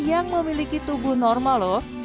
yang memiliki tubuh yang lebih baik